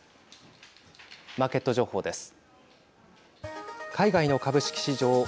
マーケット情報です。